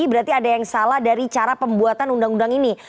berarti ada yang salah dari cara pembuatan undang undang ini